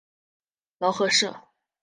劳合社。